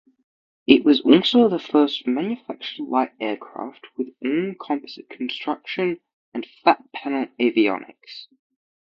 It was also the first manufactured light aircraft with all-composite construction and flat-panel avionics.